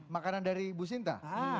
makanan dari ibu sinta